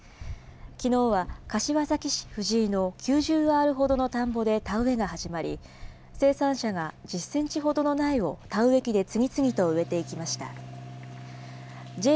きのうは、柏崎市藤井の９０アールほどの田んぼで田植えが始まり、生産者が１０センチほどの苗を、田植え機で次々と植えていきました。